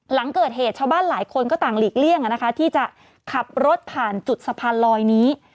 หลังเกิดเหตุชาวบ้านหลายคนก็ต่างหลีกเลี่ยงที่จะขับรถผ่านจุดสะพานลอยนี้